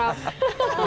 aduh dong prap